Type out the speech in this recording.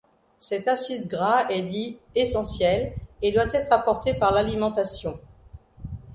Cet acide gras est dit essentiel et doit être apporté par l'alimentation.